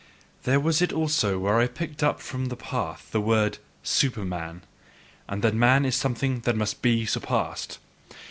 There was it also where I picked up from the path the word "Superman," and that man is something that must be surpassed.